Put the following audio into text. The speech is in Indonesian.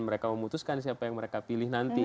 mereka memutuskan siapa yang mereka pilih nanti